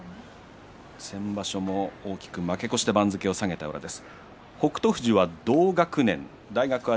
先場所も大きく負け越して番付を下げています。